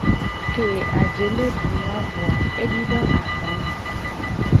Ke ajele du nu a vo a, edido agba me.